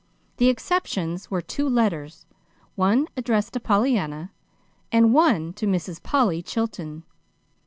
The exceptions were two letters, one addressed to Pollyanna, and one to Mrs. Polly Chilton.